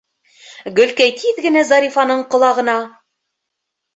Гөлкәй тиҙ генә Зарифаның ҡолағына: